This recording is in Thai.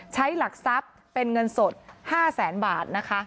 หลักทรัพย์เป็นเงินสด๕แสนบาทนะคะ